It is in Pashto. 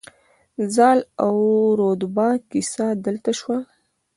زال او رودابه کیسه دلته شوې